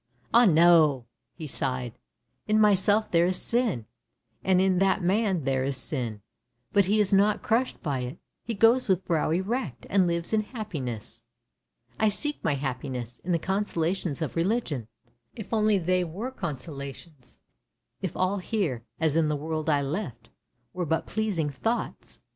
Ah, no! " he sighed. " In myself there is sin, and in that man there is sin; but he is not crushed by it — he goes with brow erect, and lives in happiness. I seek my happiness in the consolations of religion. If only they were consolations — if all here, as in the world I left, were but pleasing thoughts!